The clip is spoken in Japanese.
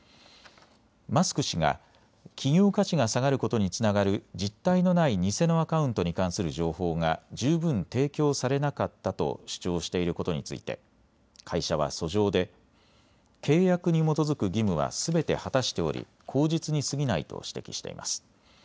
マスク氏が企業価値が下がることにつながる実態のない偽のアカウントに関する情報が十分提供されなかったと主張していることについて会社は訴状で契約に基づく義務はすべて果たしており口実にすぎないと指摘しています。